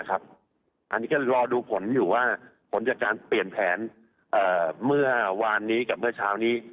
อันนี้ก็รอดูผลอยู่ว่าผลจากการเปลี่ยนแผนเมื่อวานนี้กับเมื่อเช้านี้